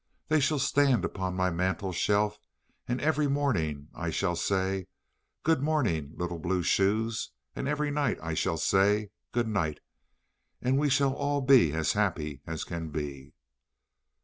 They shall stand upon my mantel shelf, and every morning I shall say, 'Good morning, little blue shoes,' and every night I shall say, 'Good night,' and we shall all be as happy as can be."